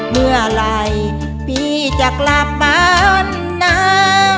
เมื่อไหร่พี่จะกลับบ้านนะ